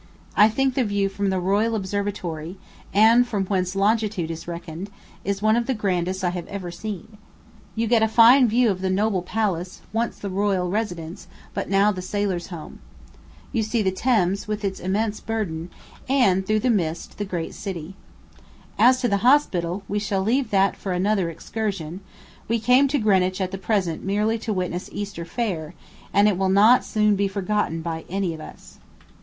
I think the view from the Royal Observatory, and from whence longitude is reckoned, is one of the grandest I have ever seen. You get a fine view of the noble palace once the royal residence, but now the Sailor's Home. You see the Thames, with its immense burden, and, through the mist, the great city. As to the Hospital, we shall leave that for another excursion: we came to Greenwich at present merely to witness Easter Fair, and it will not soon be forgotten by any of us.